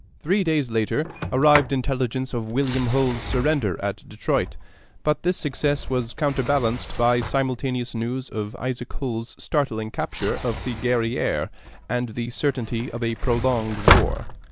Three days later arrived intelligence of William Hull's surrender at Detroit; but this success was counterbalanced by simultaneous news of Isaac Hull's startling capture of the Guerrière, and the certainty of a prolonged war.